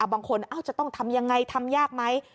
บางคนจะต้องทำยังไงทำยากไหม